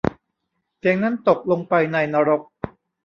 เสียงนั้นตกลงไปในนรก